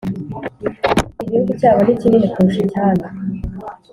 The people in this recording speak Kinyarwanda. igihugu cyabo ni kinini kurusha icyanyu